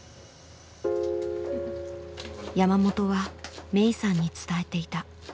山本は芽生さんに伝えていた。